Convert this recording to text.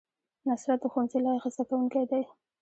نصرت د ښوونځي لایق زده کوونکی دی